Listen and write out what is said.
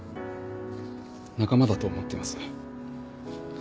仲間だと思ってます。